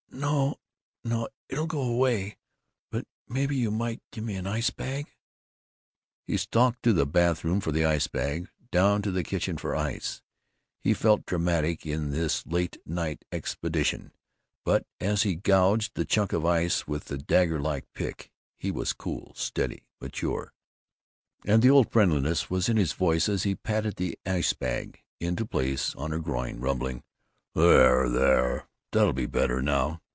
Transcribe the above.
"No, no! It'll go away. But maybe you might get me an ice bag." He stalked to the bathroom for the ice bag, down to the kitchen for ice. He felt dramatic in this late night expedition, but as he gouged the chunk of ice with the dagger like pick he was cool, steady, mature; and the old friendliness was in his voice as he patted the ice bag into place on her groin, rumbling, "There, there, that'll be better now."